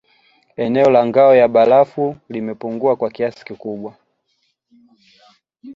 Eneo la ngao ya barafu limepungua kwa kiasi kikubwa